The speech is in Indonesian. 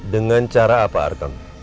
dengan cara apa artem